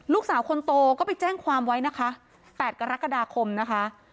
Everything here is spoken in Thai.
ลูกสาวคนโตก็ไปแจ้งความไว้นะคะ๘กรกฎาคมนะคะ